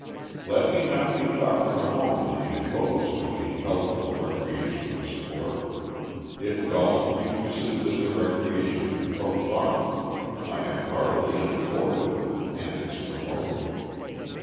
Let me not be thought for a moment to be opposed to any healthful recreation or sport. If golf be pursued as a recreation, for fun, I am heartily in accord with it and its promoters.